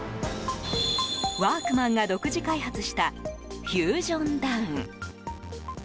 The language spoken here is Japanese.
ワークマンが独自開発したフュージョンダウン。